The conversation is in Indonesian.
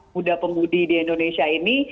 muda pemudi di indonesia ini